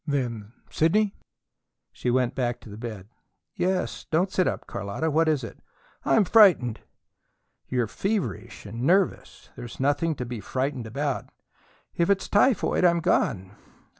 "Sidney!" She went back to the bed. "Yes. Don't sit up, Carlotta. What is it?" "I'm frightened!" "You're feverish and nervous. There's nothing to be frightened about." "If it's typhoid, I'm gone."